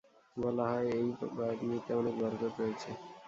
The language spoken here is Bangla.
বলা হয় এই পানিতে অনেক বরকত রয়েছে।